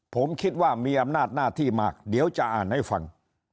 ผมคิดว่ามีอำนาจหน้าที่มากเดี๋ยวจะอ่านให้ฟัง